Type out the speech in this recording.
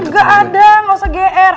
gak ada gak usah ger